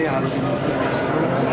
keberadaan pssi generasi